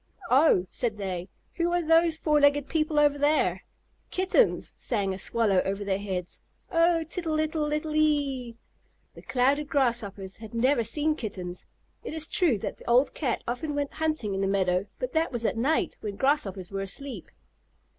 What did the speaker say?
"Oh!" said they. "Who are those four legged people over there?" "Kittens!" sang a Swallow over their heads. "Oh, tittle ittle ittle ee!" The Clouded Grasshoppers had never seen Kittens. It is true that the old Cat often went hunting in the meadow, but that was at night, when Grasshoppers were asleep.